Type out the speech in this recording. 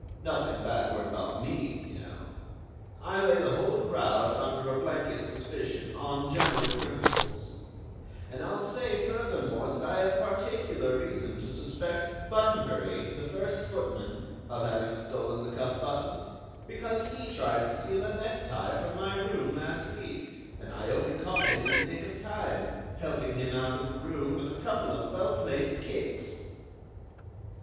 Nothing backward about me, you know. I lay the whole crowd under a blanket suspicion, on general principles; and I'll say, furthermore, that I have particular reason to suspect Bunbury, the first footman, of having stolen the cuff buttons, because he tried to steal a necktie from my room last week, and I only caught him in the nick of time, helping him out of the room with a couple of well placed kicks!"